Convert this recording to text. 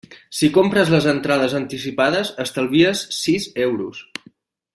Si compres les entrades anticipades estalvies sis euros.